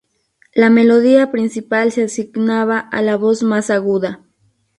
La melodía principal se asignaba a la voz más aguda.